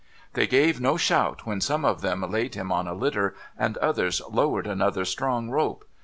They gave no shout when some of them laid him on a litter, and others lowered another strong rope.